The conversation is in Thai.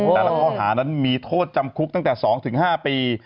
แต่ละข้อหานั้นมีโทษจำคุกตั้งแต่๒๕ปี